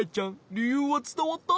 りゆうはつたわった？